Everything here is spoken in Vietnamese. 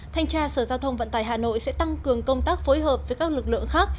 thanh tra sở giao thông vận tải hà nội sẽ tăng cường công tác phối hợp với các lực lượng khác